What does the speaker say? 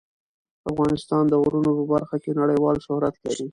افغانستان د غرونه په برخه کې نړیوال شهرت لري.